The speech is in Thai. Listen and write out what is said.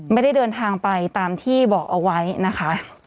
ไม่ได้เดินทางไปตามที่บอกเอาไว้นะคะ